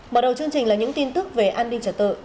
mở đầu chương trình là những tin tức về an ninh trật tự